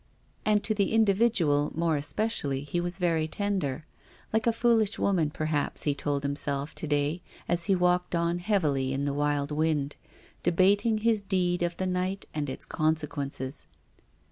And to the individual, more especially, he was very tender. Like a foolish woman, perhaps, he told himself to day as he walked on heavily in the wild wind, debating his deed of the night and its conse quences.